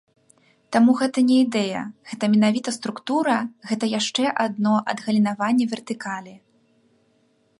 Таму гэта не ідэя, гэта менавіта структура, гэта яшчэ адно адгалінаванне вертыкалі.